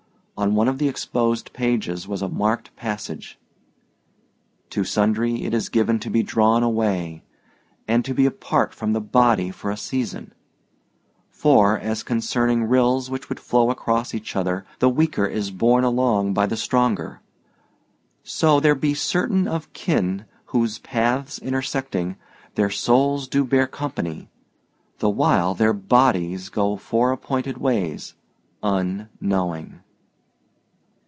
On one of the exposed pages was a marked passage: "To sundry it is given to be drawn away, and to be apart from the body for a season; for, as concerning rills which would flow across each other the weaker is borne along by the stronger, so there be certain of kin whose paths intersecting, their souls do bear company, the while their bodies go fore appointed ways, unknowing."